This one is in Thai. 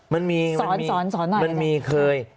มันมีเคย